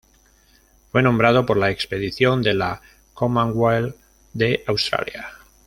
Fue nombrado por la expedición de la Commonwealth de Australia.